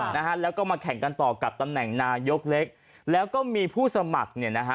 นะฮะแล้วก็มาแข่งกันต่อกับตำแหน่งนายกเล็กแล้วก็มีผู้สมัครเนี่ยนะฮะ